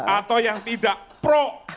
atau yang tidak pro